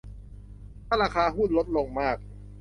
ถ้าราคาหุ้นลดลงมาก